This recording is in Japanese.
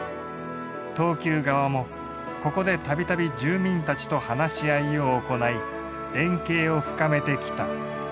東急側もここで度々住民たちと話し合いを行い連携を深めてきた。